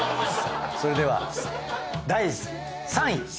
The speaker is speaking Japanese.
それでは第３位！